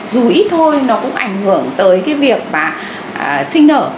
dù ít thôi nó cũng ảnh hưởng tới cái việc mà sinh nở